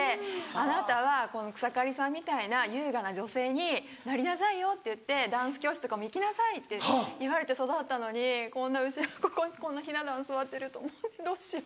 「あなたはこの草刈さんみたいな優雅な女性になりなさいよ」っていって「ダンス教室とかも行きなさい」って言われて育ったのにこんな後ろこここんなひな壇座ってるどうしよう。